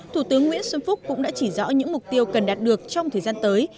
thủ tướng nguyễn xuân phúc cũng đã chỉ rõ những mục tiêu cần đạt được trong thời gian tới